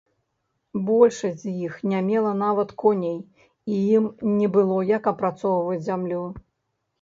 Большасць з іх не мела нават коней і ім не было як апрацоўваць зямлю.